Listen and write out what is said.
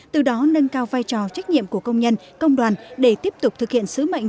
từ đó nâng cao vai trò trách nhiệm của công nhân công đoàn để tiếp tục thực hiện sứ mệnh